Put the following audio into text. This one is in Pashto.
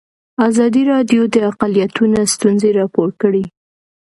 ازادي راډیو د اقلیتونه ستونزې راپور کړي.